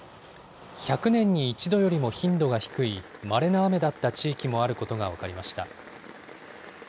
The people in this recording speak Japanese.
１００年に１度よりも頻度の低いまれな雨だった地域もあることが分かりました。